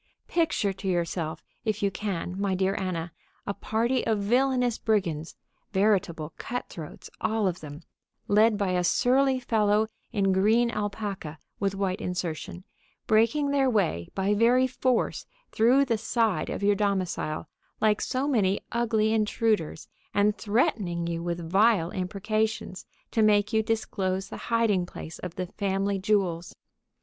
Picture to yourself, if you can, my dear Anna, a party of villainous brigands, veritable cutthroats, all of them, led by a surly fellow in green alpaca with white insertion, breaking their way, by very force, through the side of your domicile, like so many ugly intruders, and threatening you with vile imprecations to make you disclose the hiding place of the family jewels.